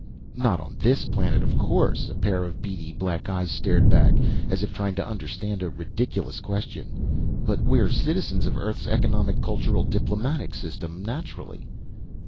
"Not on this planet, of course." A pair of beady black eyes stared back, as if trying to understand a ridiculous question. "But we're citizens of Earth's economic cultural diplomatic system, naturally."